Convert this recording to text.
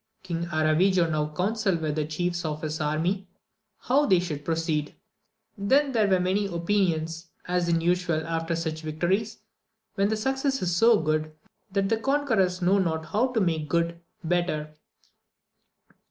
King Aravigo now took counsel with the chiefs of his army how they should proceed; then were there many opinions, as is usual after such victories, when the success is so good, that the conquerors know not how to make good, better.